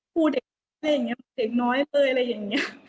ครูเด็กอะไรอย่างนี้เด็กน้อยเต้ยอะไรอย่างนี้